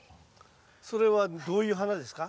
それはどういう花ですか？